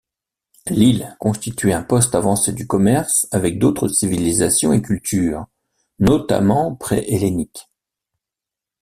L'île constituait un poste avancé du commerce avec d'autres civilisations et cultures, notamment pré-helléniques.